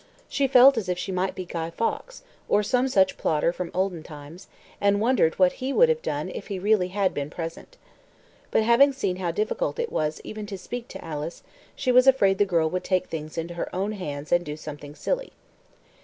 She felt as if she might be Guy Fawkes, or some such plotter from olden times, and wondered what he would have done if he really had been present. But having seen how difficult it was even to speak to Alice, she was afraid the girl would take things into her own hands and do something silly.